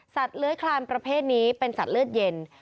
เลื้อยคลานประเภทนี้เป็นสัตว์เลือดเย็น